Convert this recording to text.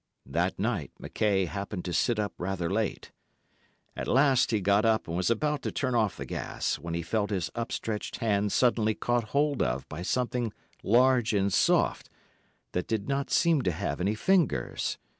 That night McKaye happened to sit up rather late; at last he got up, and was about to turn off the gas, when he felt his upstretched hand suddenly caught hold of by something large and soft, that did not seem to have any fingers.